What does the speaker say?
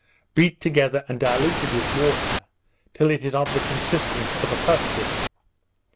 beat together and diluted with water till it is of the consistence of a custard.